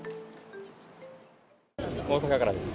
大阪からです。